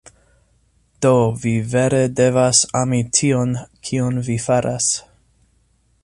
Do vi vere devas ami tion, kion vi faras.